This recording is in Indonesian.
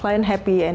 klien juga senang